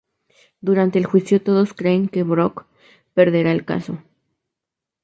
Durante el juicio todos creen que Brooke perderá el caso.